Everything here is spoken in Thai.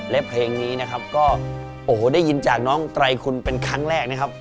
และเพลงนี้นะครับก็โอ้โหได้ยินจากน้องไตรคุณเป็นครั้งแรกนะครับ